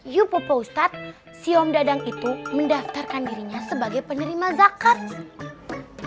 yuk popo ustad si om dadang itu mendaftarkan dirinya sebagai penerima zakat